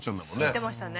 行ってましたね